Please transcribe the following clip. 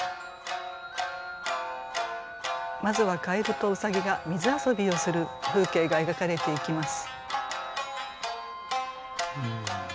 まずは蛙と兎が水遊びをする風景が描かれていきます。